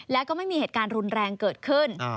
แล้วก็ไม่มีเหตุการณ์รุนแรงเกิดขึ้น